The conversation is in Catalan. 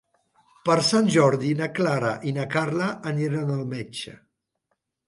Per Sant Jordi na Clara i na Carla aniran al metge.